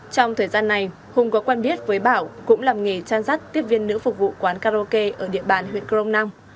trong thời gian này hùng có quen biết với bảo cũng làm nghề trang giáp tiếp viên nữ phục vụ quán karaoke ở địa bàn huyện crong năng